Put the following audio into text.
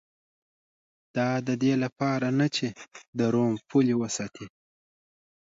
دا د دې لپاره نه چې د روم پولې وساتي